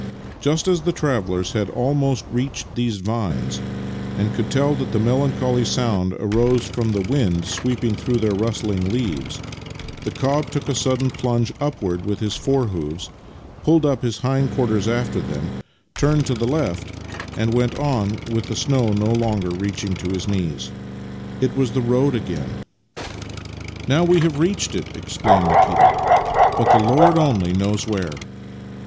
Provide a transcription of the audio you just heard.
Just as the travellers had almost reached these vines and could tell that the melan choly sound arose from the wind sweeping through their rustling leaves, the cob took a sudden plunge upwards with his fore hoofs, pulled up his hind quarters after them, turned to the left, and went on with the snow no longer reaching to his knees. It was the road again ! 1 6 Master and Man "Now we have reached it!" exclaimed Nikita, " but the Lord only knows where!